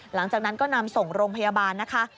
หลังจากนั้นก็นำส่งโรงพยาบาลนะคะ